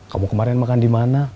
kamu kemarin makan dimana